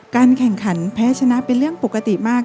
การแข่งขันแพ้ชนะเป็นเรื่องปกติมาก